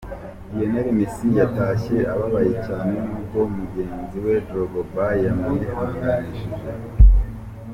Lionel Messi yatashye ababaye cyane n'ubwo mugenzi we Drogba yamwihanganishije.